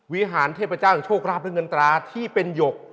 วิหารเทพเจ้าของโชคลาภแห่งเงินตาที่เป็นหยก